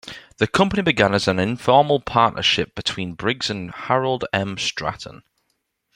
The company began as informal partnership between Briggs and Harold M. Stratton.